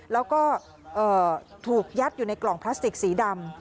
แล้วก็ถูกยัดอยู่ในกล่องพลาสติกสีดำ